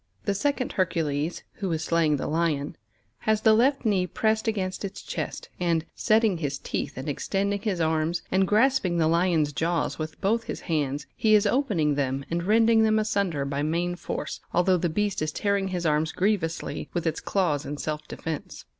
The second Hercules, who is slaying the Lion, has the left knee pressed against its chest, and, setting his teeth and extending his arms, and grasping the Lion's jaws with both his hands, he is opening them and rending them asunder by main force, although the beast is tearing his arms grievously with its claws in self defence.